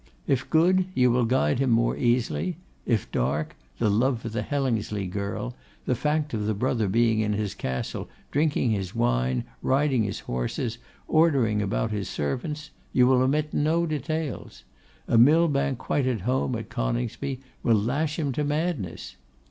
If good, you will guide him more easily; if dark, the love for the Hellingsley girl, the fact of the brother being in his castle, drinking his wine, riding his horses, ordering about his servants; you will omit no details: a Millbank quite at home at Coningsby will lash him to madness!